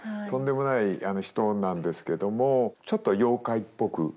とんでもない人なんですけどもちょっと妖怪っぽく。